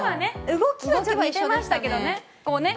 動きは似てましたけどね。